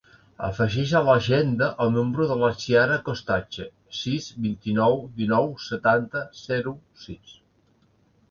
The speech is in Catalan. Afegeix a l'agenda el número de la Chiara Costache: sis, vint-i-nou, dinou, setanta, zero, sis.